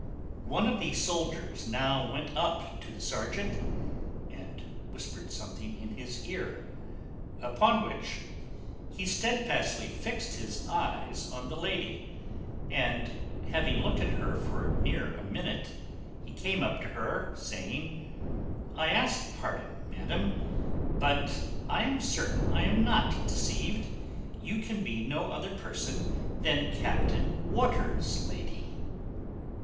One of the soldiers now went up to the serjeant, and whispered something in his ear; upon which he stedfastly fixed his eyes on the lady, and having looked at her for near a minute, he came up to her, saying, "I ask pardon, madam; but I am certain I am not deceived; you can be no other person than Captain Waters's lady?"